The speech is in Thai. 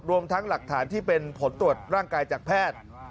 รวมทั้งหลักฐานที่เป็นผลตรวจร่างกายจากแพทย์